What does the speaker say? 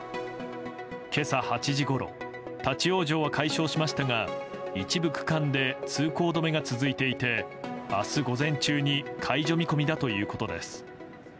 今朝８時ごろ立ち往生は解消しましたが一部区間で通行止めが続いていて明日午前中に解除見込みだということです。